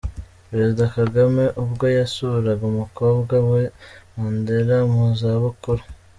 Perezida Kagame ubwo yasuraga umukambwe Mandela mu zabukuru.